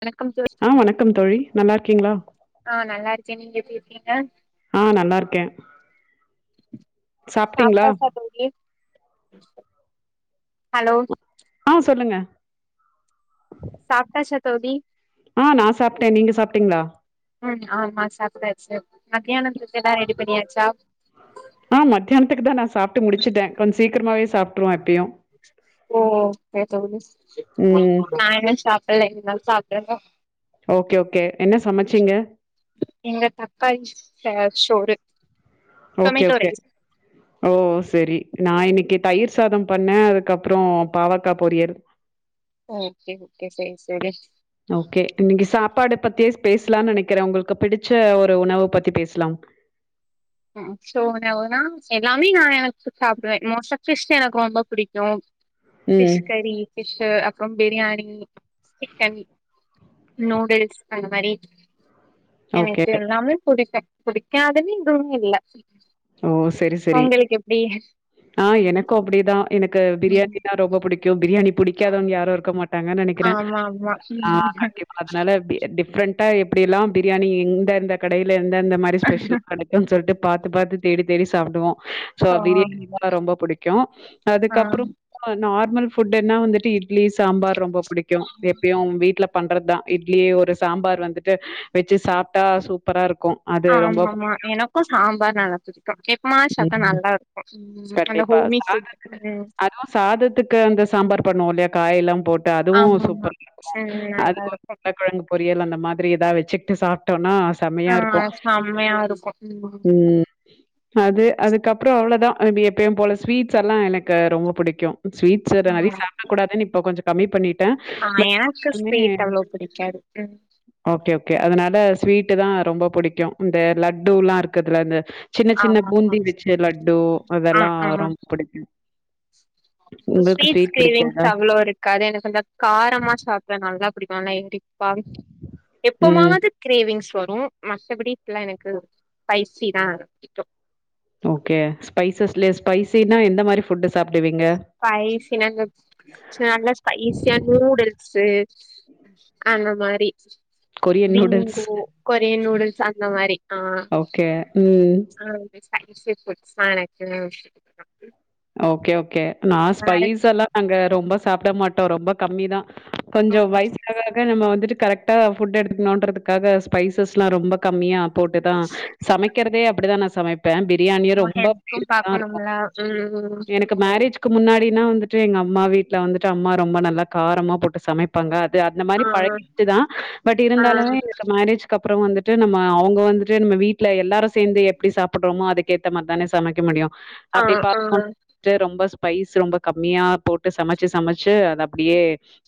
வணக்கம் தோழி ஆ வணக்கம் தோழி நல்லா இருக்கீங்களா? ஆ நல்லா இருக்கே நீங்க எப்டி இருக்கீங்க ஆ நல்லா இருக்கே சாப்டாச்சா தோழி ஹலோ ஆ சொல்லுங்க சாப்டாச்சா தோழி ஆ நா சாப்டே நீங்க சாப்டீங்களா ம் ஆமா சாப்டாச்சு மத்யானத்துக்கு எல்லா ரெடி பண்ணியாச்சா ஆ மத்யானத்துக்கு தா நா சாப்ட்டு முடிச்சிட்டே கொஞ்ச சீக்கிரமாவே சாப்ட்ருவோ எப்பயு ஓ சேரி தோழி ம். நா இன்னு சாப்பில இனிமே தா சாப்டனு ஓகே ஓகே என்ன சமச்சிங்க எங்க தக்காளி ச சோறு ஓகே டொமேட்டோ ஓகே ரைஸ் ஓ சேரி நா இன்னைக்கி தயிர் சாதம் பண்ணே அதுக்கப்பறோ பாவக்கா பொரியர் ஓகே ஓகே செரி செரி ஓகே இன்னைக்கி சாப்பாடு பத்தியே பேசலானு நெனக்கிறே உங்களுக்கு பிடிச்ச ஒரு உணவ பத்தி பேசலாம் ஆ அ சோ ஆனா வுனா எல்லாமே நா எனக்கு சாப்டுவே மோஸ்டா ஃபிஷ் எனக்கு ரொம்ப பிடிக்கு ம். ஃபிஷ்கரி ஃபிஷ் அப்பறம் பிரியாணி சிக்கன் நூடுல்ஸ் அந்த மாரி ஓகே. எனக்கு எல்லாமே புடிக்கு புடிக்காதன்னு இதுவு இல்ல ஓ செரி செரி உங்களுக்கு எப்டி ஆ எனக்கு அப்டிதா எனக்கு பிரியாணின்னா ரொம்ப புடிக் க்கு பிரியாணி புடிக்காதவுங்க யாரு இருக்க மாட்டாங்கனு நெனைக்கிறே ஆமா ஆமா ஆ கண்டிப்பா அதனால பி டிஃப்ரெண்டா எப்டி எல்லா பிரியாணி எந்த எந்த கடைல எந்தந்த மாரி ஸ்பெஷலா கடை க்கு சொல்ட்டு பாத்து பாத்து தேடி தேடி சாப்டுவோ சோ ஓ பிரியாணி தா ரொம்ப புடிக்கு ஆ அதுக்கப்பறோ ப நார்மல் ஃபுட்னா வந்துட்டு இட்லி சாம்பார் ரொம்ப புடிக்கு எப்பயு வீட்ல பண்றது தா இட்லி ஒரு சாம்பார் வந்துட்டு வச்சு சாப்ட்டா சூப்பரா ருக்கு ஆமமா எனக்கு சாம்பார் நல்லா புடிக்கு மா எப்பமாது சாப்டா புடிக்கும். நல்லா இருக்கு ம் அந்த கண்டிப்பா. ஹோமி ஃபுட் சாதத்துக்கு ம் அதுவும் சாதத்துக்கு அந்த சாம்பார் பண்ணுவோ இல்லையா காய் எல்லா போட் டு அதுவு ஆமாமா சூப்பர் இருக்கு ம் நல்லா அதுக்கு இருக்கு உருளகெழங்கு பொரியல் அந்த மாதிரி எதா வச்சுட்டு சாப்ட்டோனா ஆ செம்மையா இருக்கு செம்மையா இருக்கு ம் அது அதுக்கப்பறோ அவ்ளோதா அதுமி எப்பயு போல ஸ்வீட்ஸ் எல்லா எனக்கு ரொம்ப பிடிக்கு ஸ்வீட்ஸ்சு நெற ம் சாப்ட கூடாதுனு இப்ப கொஞ்சோ கம்மி பண்ணிட்டே ஆ பட் எனக்கு இருக்குமே ஸ்வீட் அவ்ளோ புடிக்காது ம் ஓகே ஓகே அதனால ஸ்வீட்டு தா ரொம்ப புடிக்கு இந்த லட்டுலா இருக்குதுல இந்த சின்ன சின்ன ஆமாமா பூந்தி வெச்ச லட்டு ஆ அதெல்லா ஆ ரொம்ப புடிக்கு ஸ்வீட்ஸ் கிரேவிங்ஸ் பிடிக்காதா? அவ்வளோ இருக்காது எனக்கு கொஞ்ச காரமா சாப் ட நல்லா புடிக்கு [unintelligible] ம். எப்பமாவது கிரேவிங்ஸ் வரு மத்தபடி இத்துல எனக்கு ஸ்பைசி தா புடிக்கு ஓகே ஸ்பைசஸ்ல ஸ்பைசீனா எந்த மாரி ஃபுட்டு சாப்டுவீங்க ஸ்பைசினா இந்த நல்லா ஸ்பைசியா நூடுல்ஸு அந்த மாரி Korean noodles. Bingo Korean noodles அந்த மாரி ஆ ஓகே ம் இத்மாரி ஸ்பைசி ஃபுட்ஸ்தா எனக்கு ஓகே ஓகே நா ஸ்பைஸெல்லா நாங்க ரொம்ப சாப்பிட மாட்டோ ரொம்ப கம்மிதா கொஞ்சோ வய்சாக ஆக நம்ம வந்துட்டு கரெக் ட்டா ஃபுட்டு எடுத்துக்கணுன்றதுக்காக ஸ்பைசஸ்லா ரொம்ப கம்மியா போட்டுதா சமைக்கிறதே அப்படிதா நா சமைப் ப்பே பிரியாணியு ரொம்ப [unintelligible] டா இருக்கு ம் ம் எனக்கு மேரேஜ்க்கு முன்னாடினா வந்துட்டு எங்க அம்மா வீட்ல வந்துட்டு அம்மா ரொம்ப நல்லா காரமா போட்டு சமைப் ப்பாங்க அது அந்த மாரி ஆ பழகிட்டுதா பட் ஆ இருந்தாலுமே எனக்கு மேரேஜ் கப்புறோ வந்துட்டு நம்ம அவுங்க வந்துட்டு நம்ம வீட்ல எல்லாரு சேந்து எப்டி சாப்பிட்றோமோ அதுக்கேத்த மார் தான சமைக்க முடியு ஆ அப்டி ப ஆ ண்ட்டு ரொம்ப ஸ்பைஸ் ரொம்ப கம்மியா போட்டு சமச்சு சமச்சு அது அப்டியே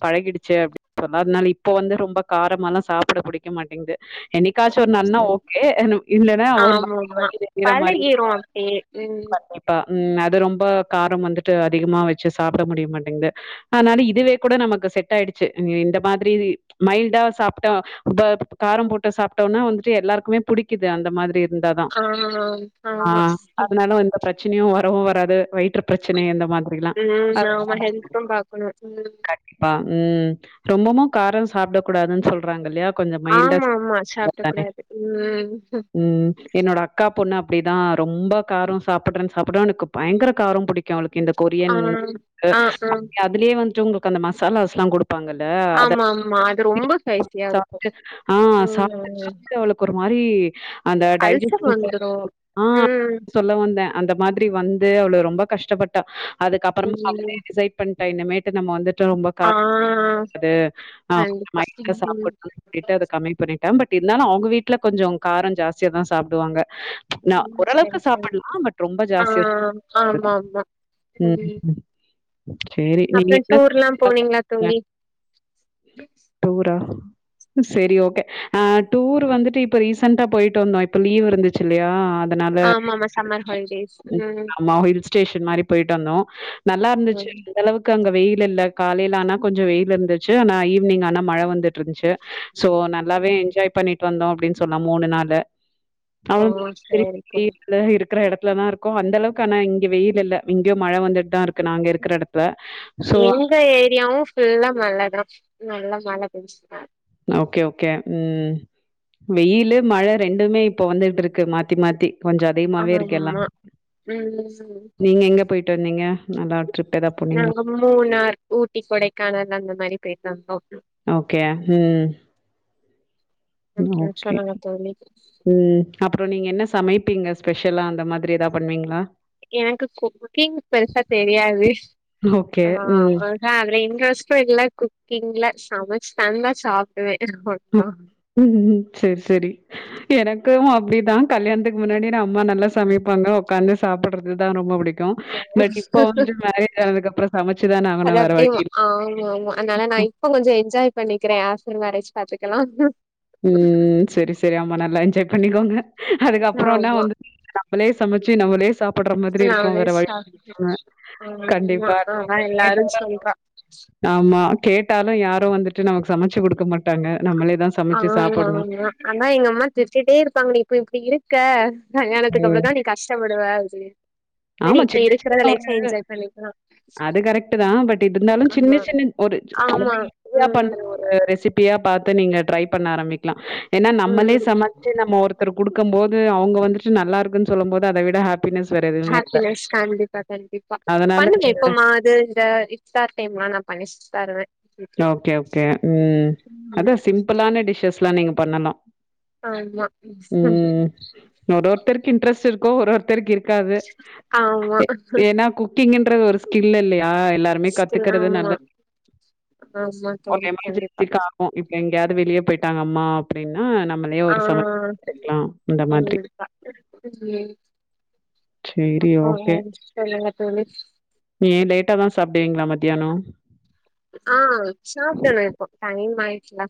பழகிடுச்சு அப்டின்றமாரி அதனால இப்போ வந்து ரொம்ப காரமாலா சாப்பிட புடிக்க மாட்டேங்து என்னிக்காச்சு ஒரு நாள்லா ஓகே அ நம் இல்லனா ஒரு ஆமா மாரி ஆமா வயிறு எரிர மாரி இருக்கு பழகிரும் அப்டியே ம் கண்டிப் அ ம் அது ரொம்ப காரம் வந்துட்டு அதிகமா வெச்சு சாப்ட முடிய மாட்டேங்து அதனால இதுவே கூட நமக்கு செட் ஆயிடுச்சு இந்த மாதிரி மைல்டா சாப்பிட்டா த காரம் போட்டு சாப்ட்டோன்னா வந்துட்டு எல்லாருக்குமே புடிக்குது அந்த மாதிரி இருந்தாதா ஆ ஆ ஆமா அதனால எந்த ப்ரெ ப்ரெச்சனியு வரவு வராது வயிற்று ப்ரெச்சன அந்த மாதிரி ம் சோ நாம ஹெல்த்தும் பாக்கணு ம் ப் ம் ரொம்பமு கார சாப்ட கூடாதுன் சொல் றாங்கில்லயா கொஞ்சம் மைல்டா ஆமா சாப்ட்டா ஆமா சாப்ட நல்லதுதானே கூடாது ம் ம் என்னோட அக்கா பொண்ணு அப்டிதா ரொம்ப காரோ சாப்புட்றன் சாப்புறா எனக்கு பயங்கர காரம் புடிக் கு அவளுக்கு இந்த ஆ கொரியன் ஆ ஆ [unintelligible] அதுலியே வந்துட்டு உங்களுக்கு அந்த மசாலாஸ்லா குடுப் பாங்கள அத ஆமா ஆமா அது ரொம்ப [unintelligible] ஸ்பைசியா இருக்கு சாப்ட்டு ஆ சாப்ட்டு ம் சாப்ட்டு அவளுக் ஒரு மாரி அந்த அல்சர் டைஜஸ் வந்துரு ம் [inaudible] சொல்ல வந்தே அந்த மாரி வந்து அவ்ளோ ரொம்ப கஷ்டப்பட்டா அதுக்கப்புறமா அவளே ம் டிசைட் பண்ணிட்டா இன்னமேட்டு நம்ம வந்துட்டு ரொம்ப ஆ காரோ சாப்டக்கூடாது அ கெஞ்சோ கண்டிப்பா மைல்டா ம் சாப்பட்ணுன் டிட்டு அது கம்மி பண்ணிட்டா பட் இருந்தாலு அவுங்க வீட்ல கொஞ்சோ காரோ ஜாஸ்தியாதா சாப்டுவாங்க நா ம் ஒரளவுக்கு சரி சரி சாப்புட்லா பட் ரொம்ப ஆ ஜாஸ்தியா ஆமா ஆமா [unintelligible] சேரி நீங்க அப்புற என்ன டூர்லாம் போனீங்ளா தோழி டூரா செரி ஓகே ஆ டூரு வந்துட்டு இப்ப ரீசண்டா போயிட்டு வந்தோ இப்ப லீவ் இருந்துச்சுல்லயா அதுனால ஆமா ஆமா சம்மர் ஹாலிடேஸ் ம் மா ஹில் ஸ்டேஷன் மாரி போயிட்டு வந்தோ நல்லா இருந்துச்சு ம் அந்தளவுக் க்கு அங்க வெயில் இல்ல காலேல ஆனா கொஞ்ச வெயில் இருந்துச்சு ஆனா ஈவ்னிங் ஆனா மழ வந்துட்டு இருந்துச்சு சோ நல்லாவே ம். என்ஜாய் பண்ணிட்டு வந்தோம் அப்டின்னு சொன்னா மூணு நாளு ஓ அவ் பெரிய சரி தோழி வீட்ல இருக்கிற இடத்துல தாருக்கும் அந்த அளவுக் கான இங்க வெயில் இல்ல இங்கேயோ மழ வந்துட்டு தா இருக்கு நாங்க இருக்கிற எடத்துல எங்க ஏரியாவும் ஃபுல்லா மழை தா நல்லா மழை பெஞ்சு ட்டுத்தான் இருக் ஓகே ஓகே ம் வெயிலு மழை ரெண்டுமே இப்போ வந்துகிட்டு இருக்கு மாத்தி மாத்தி கொஞ்ச அதிகமாவே ஆமா இருக்க எல்லாமே ம் நீங்க எங்க போயிட்டு வந்தீங்க நல்லா ட்ரிப் ஏதா போனீங்களா நாங்க மூணார் ஊட்டி கொடைக்கானல் அந்த மாரி போயிட் வந்தோ ஓகே ம் ம் ஓகே சொல்லுங்க தோழி ம் அப்புறம் நீங்க என்ன சமைப்பீங்க ஸ்பெஷ்லா அந்த மாதிரி ஏதா பண்ணுவீங்களா எனக்கு குக்கிங் பெருசா தெரியாது ஓகே. ஆ ம். ஆ அதுல இன்ட்ரெஸ்ட்டும் இல்ல குக்கிங்ல சமைச்சு தாந்தா சாப்புடுவேன் [unintelligible] ம் சேரி சரி எனக்கும் அப்படிதான் கல்யாணத்துக்கு முன்னாடி அம்மா நல்லா சமைப்பாங்க ஒக்காந்து சாப்பிடறது தான் ரொம்ப புடிக் பட் இப்ப வந்துட்டு மேரேஜ் ஆனதுக்குப்புறம் சமைச்சுதான் அது ஆகனும் வேற அப்டியே வழி இல் ஆமா ஆமா அதனால நா இப்ப கொஞ்ச என்ஜாய் பண்ணிக்கிறேன் ஆப்டர் மேரேஜ் பாத்துக்கலாம் ம் சரி சரி ஆமா நல்லா என்ஜாய் பண்ணிக்கோங்க அதுக்கப்புறோ நா ஆமா வந்து நம்மளே சமைச்சு நம்மளே சாப் போடுற மாதிரி இருக்கும் நாமளே வேற வழி சாப் ஆமா கண்டிப்பா அதா ஓகே எல்லாரு கேட்டா சொல்றா ஆமா கேட்டாலும் யாரும் வந்துட்டு நமக்கு சமைச்சு குடுக்க மாட்டாங்க நம்மளே தா ஆ ஆமா அதா எங்க அம்மா சிரிஸ்டே இருப்பாங்க நீ இப்ப இப்டி இருக்க கல்யாணத்துக்கு ம். அப்புறந் தான் நீ கஷ்டப்படுவே அப்டி ஆமா சின்ன சின்ன ஒரு பண்ணிக்கலா அது கரெக்ட்டு தா பட் இருந்தாலும் ஆமா சின்ன சின்ன ஒரு ஆமா தனிமை இயா ம் பண்ற ஒரு ரெஸிப்பியா பாத்து நீங்க ட்ரை பண்ண ஆரம்பிக்கலாம் ஏன்னா நம்மளே ம் சமைச்சு நம்ம ஒருத் குடுக்கும்ப போது அவங்க வந்துட்டு நல்லா இருக்குன்னு சொல்லும் போது அத விட ஹாப் பினஸ் வேற எது ஹாப்பினஸ் கண்டிப்பா கண்டிப்பா அதனால பண்ணுவே இப்போ மா இது இந்த இக்தார் டைம் லாம் நா பண்ணிச்சுட்டு தருவேன் ஓகே ஓகே ம் அதா சிம்பிளான டிஷ்ஸஸ் எல்லா நீங்க பண்ணலாம் ஆமா ம் ஒரு ஒருத்தருக்கு இன்ட்ரெஸ்ட் இருக்கோ ஒரு ஒருத்தருக்கு இருக் காது ஆமா ஏன்னா குக்கிங்கின்றது ஒரு ஸ்கில் இல்லையா எல்லா ஸ்கில் அஹ் அவ்ளதான் ஓகே எமர்ஜென்சிக்காகு இப்ப எங்கேயாவது வெளிய போய்ட்டாங்க அம்மா அப்டின்னா நம்ம ஆஹ் [unintelligible] சரி, அப்புறோ என்ன சொல்லுங்க தோழி ஏ லேட்டா தா சாப்பிடுவீங்களா மத்யானோ ஆஹ் சாப்பிடணு இப்போ டைம் ஆயிடுச்சில்ல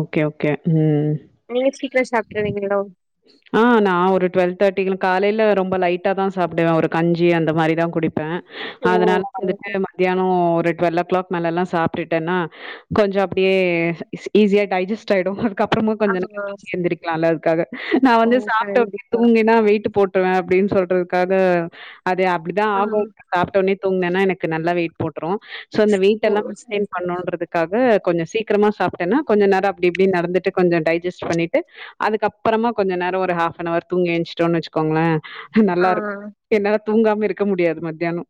ஓகே ஓகே ம் நீங்க சீக்கிரோ சாப்டுருவீங்களோ ஆஹ் நா ஒரு டுவெல் தேட்டிகுலா காலைல ரொம்ப லைட்டா தா சாப்டுவே ஒரு கஞ்சி அந்த மாரி தா குடிப்பே ஓ அதனால ஓகே வந்துட்டு ஓகே மத்தியானோஒரு டுவெல் ஓ கிளாக் மேலலாம் சாப்டுட்டேன்னா கொஞ்சோ அப்டியே ஈஸியா டைஜஸ்ட் ஆய்டு கப்புறமு ஆ கொஞ்ச நேரொ தூங்கி எந்திரிக்லால அதுக்காக நா ஓ வந்து சாப்ட ஒன்னே கண்டிப்பா தூங்கினா வெயிட்டு போட் ட்ருவ அப்டின் சொல்றதுக்காக அது அப்டிதா ஆ ஆகு சாப்ட்டோனே தூங்னேனா எனக்கு நல்லா வெயிட் போட்ரு சோ இந்த ஓ வெயிடேல்லா சரி [inaudible] சரி பண்ணோன்றதுக் க்காக கொஞ்ச சீக்ரமா சாப்ட்டேன்னா கொஞ்ச நேரொ அப்டி இப்டி நடந்துட்டு கொஞ்சொ டை ஜிஸ்ட் பண்ணிட்டு அதுக்கப்பறமா கொஞ்ச நேரோ ஒரு ஹாப் அன்னவர் தூங்கிஎன்ச்டோன் வச்கோங்களே ஆ நல்லாருக் என்னால தூங்காம இருக்க முடியாது மத்யானோ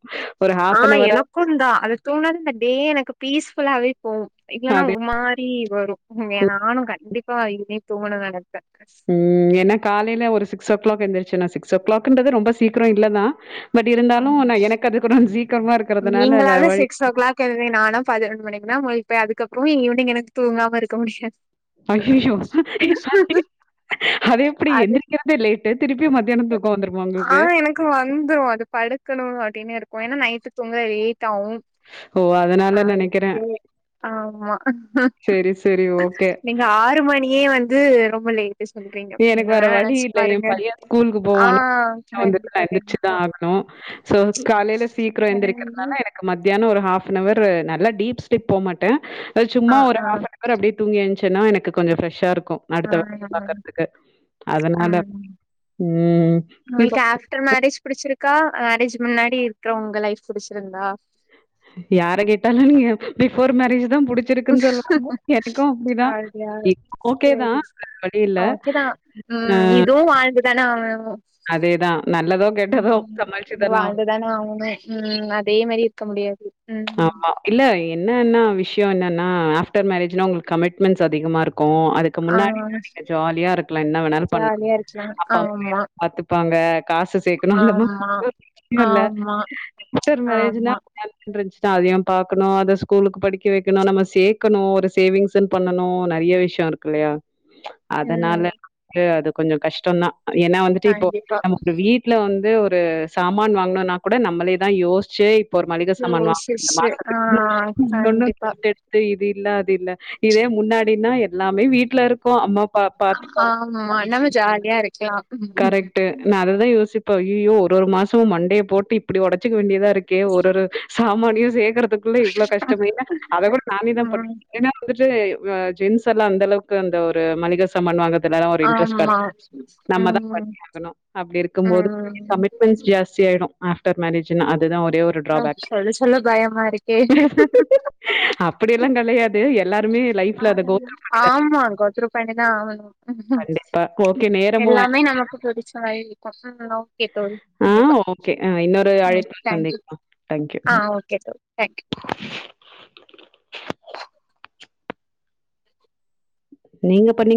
ஆ எனக்குந்தா அது தூங்னாவே ந்த டே எனக்கு பீஸ்ஃபுல்லாவே போவு இல்லன்னா அது ஒர் மாரி வரு ம்மே நானு கண்டிப்பா இனிமே தூங்கனுன் நெனப்பே ம் ஏன்னா காலைல ஒரு சிக்ஸ் ஓ க்ளாக் எந்திரச்சி நா சிக்ஸ் ஓ க்ளாக்ன்றது ரொம்ப சீக்ரோ இல்லதா பட் ஆ இருந்தாலு நா எனக்கு அது கொஞ்சொ சீக்கிரமா இருக்கிறதுனால வேற வழி க்கேதுவே நாலா பதிரெண்டு மணிக்கு தா முழிப்பே அதுக்ப்றோ ஈவினிங் எனக்கு தூங்காமருக்க முடியாது ஐயையோ அதேப்டி அது எந்திரிக்கிரதே லேட்டு திருப்பி மத்தியானோ தூக் க்கோ வந்துருமா உங்களுக்கு க்கு வந்துரு அது படுக்கணு அப்டின்னேருக்கத ஏன்னா நைட்டு தூங்க லேட் ஆவு ஓ அதனால அது நெனைக்கிறே டே ஆமா சேரி சேரி ஓகே நிங் ந்த ஆறு மணியே வந்து ரொம்ப லேட்டு சொல்றீங்கப்ப என்னல்லா நெனச்சு பாருங்க கூல்க்கு போ ஆ கண்டிப்பா கண்டிப்பா க்னூ சோ காலைல சீக்ரோ எந்திரிக்கறதுனால எனக் க்கு மத்யானோ ஒரு ஹாஃப்நவரு நல்ல டீப் ஸ்லீப் போமாட்டே ஆ சும்மா ஒரு ஆ ஹாஃப்பந் அவர் அப்டி தூங்கிஎந்சேனா எனக்கு கொஞ்சோ ஃப்ரெஷ்ஷா இருக்கூ [unintelligible] க்கு அதனால ம் ம் உங்களுக்கு ஆஃப்டர் மேரேஜ் புடிச்சிருக்கா அ மேரேஜ் முன்னாடி இருக்கிற உங்க லைஃப் புடிச்சிருந்தா யார கேட்டாலு நீங்க பிஃபோர் மேரேஜ் தா புடிச் சிருக்குன் சொல்வாங்க எனக்கூ அப்டிதா அப்டியா ஓகே தா சரி வேற வழியில்ல ஓகேதா ம் இதுவு வாழ்ந்துதான ஆவனு அதேதான். நல்லதோ, ம் கெட்டதோ சமாளிச்சு ம் வாழ்ந்து தான ஆவணு ம் அதே மாரி இருக்க முடியாது ம் ஆம்மா இல்ல என்னன்னா விஷ்யோ என்னன்னா ஆஃப்டர் மேரேஜ்னா உங்களுக்கு கமிட்மெண்ட்ஸ் அதிகமாருக்கூ அதுக் க்கு ஆ முன்னாடினா நீங்க ஜாலியாருக்லா என்ன வேணாலு பண்லா ஜாலியா இருக்கலா அப்பா [inaudible] ஆமா பாத்துப்பாங்க காசு சேக்கணு ஆமா அந்த ஆமா [inaudible] ஆஃப்டர் மேரேஜ்னா ஆமா [unintelligible] த்தா அதயு பாக்கணு அத ஸ்கூலுக்கு படிக்க வைக்கணு நம்ம சேக்கணு ஒரு சேவிங்ஸ்ன் பண்ணணு நெறைய விஷ்ய ஷயருக்குல்லையா அதனால ம் [inaudible] அது கொஞ்சொ கஷ்டந்தா ஏன்னா வந்துட்டு இப்போ கண்டிப்பா நம்ம ஒரு வீட் ட்ல வந்து ஒரு சாமான் வாங்கணுன்னா கூட நம்மளேதா யோஸ்ச்சு இப்போ ஒரு மளிகை சாமான் வாங் யோசிச்சு ஆ மாசத்துக்கு கண்டிப்பா [inaudible] க்கு இது இல்ல அது இல்ல இதே முன்னாடின்னா எல்லாமே வீட்ல இருக்கூ அம்மா பா பாத்துப்பாங்க ம் ஆ நம்ம ஜாலியா இருக்லா கரெக்ட்டு நா அததுதா யோசிப்ப ஐயோ ஒரு ஒரு மாசமு மண்டய போட்டு இப் இப்பிடி ஒடச்சுக்க வேண்டியதா இருக்கே ஒரு ஒரு சாமானியு சேக்கறதுக் குள்ள இவ்ளோ கஷ்டம இல்ல அத கூட நானே தா ம் பண்ணனு ஏன்னா வந்துட்டு ஜென்ஸ் எல்லா அந்த அளவுக்கு அந்த ஒரு மளிக சாமான் வாங்கதுல ஒரு இன்ட்ரெஸ்ட்டா ஆமா நம்ம தா ம் கட்டி ஆணும் அப்டி இருக்கும்போது ம் கமிட்மெண்ட்ஸ் ஜாஸ்தி ஆயிடு ஆப்டர் மேரேஜ்ுனா அதுதா ஒரே ஒரு டிராபேக் சொல்ல சொல்ல பயமா இருக்கே அப்பட எல்லா கெடையாது எல்லாருமே லைஃப்ல அத கோத் ரூ பண்ண ஆமா கோத்ரு பண்ணிதா ஆகனு கண்டிப்பா ஓகே நேரமும் எல்லாமே நமக் கு புடிச்ச [inaudible] ஓகே தோழி ஆ கண்டிப்பா ஓகே அ இன்னொரு ம் அழைப்புல தேங்க்யூ சந்திக்கலா ஆ ஓகே தோழி தங்க் யூ நீங்க பண்ணீங்க